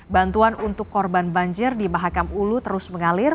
bantuan untuk korban banjir di mahakam ulu terus mengalir